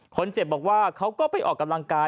คนเจ็บบอกว่าเขาก็ไปออกกำลังกาย